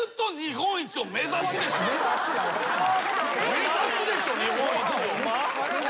目指すでしょ日本一を。